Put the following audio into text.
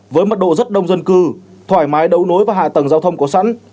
với mật độ rất đông dân cư thoải mái đấu nối vào hạ tầng giao thông có sẵn